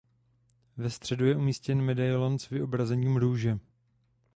Ve středu je umístěn medailon s vyobrazením růže.